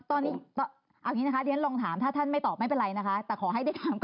เอาอย่างนี้นะคะเดี๋ยวฉันลองถามถ้าท่านไม่ตอบไม่เป็นไรนะคะ